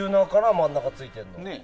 真ん中についてるの。